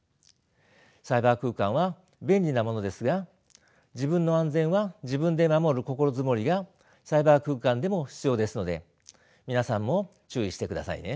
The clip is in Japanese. サイバー空間は便利なものですが自分の安全は自分で守る心づもりがサイバー空間でも必要ですので皆さんも注意してくださいね。